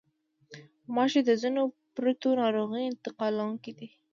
غوماشې د ځینو پرتو ناروغیو انتقالوونکې دي.